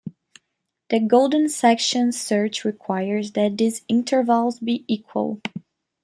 The golden-section search requires that these intervals be equal.